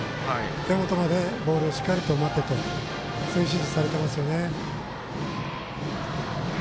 手元までボールをしっかり持てと指示をされていますよね。